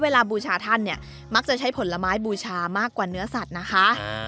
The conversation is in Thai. บูชาท่านเนี่ยมักจะใช้ผลไม้บูชามากกว่าเนื้อสัตว์นะคะ